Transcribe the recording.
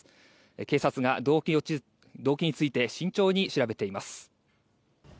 警察が動機について慎重に調べています。